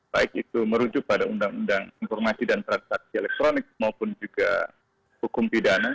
baik itu merujuk pada undang undang informasi dan transaksi elektronik maupun juga hukum pidana